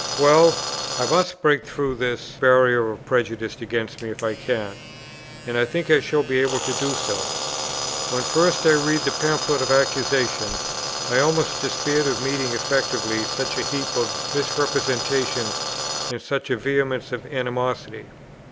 Well, I must break through this barrier of prejudice against me if I can; and I think I shall be able to do so. When first I read the Pamphlet of Accusation, I almost despaired of meeting effectively such a heap of misrepresentations and such a vehemence of animosity.